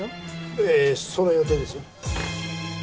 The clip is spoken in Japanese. ええその予定です。